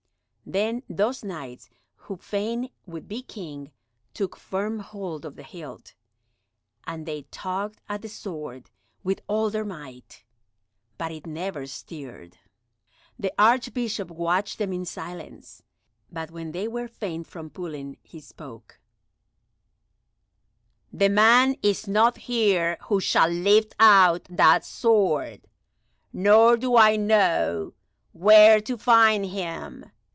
Then those Knights who fain would be King took firm hold of the hilt, and they tugged at the sword with all their might; but it never stirred. The Archbishop watched them in silence, but when they were faint from pulling he spoke: "The man is not here who shall lift out that sword, nor do I know where to find him.